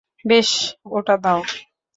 বেশ, ওটা দাও।